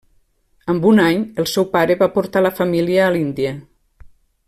Amb un any, el seu pare va portar la família a l'Índia.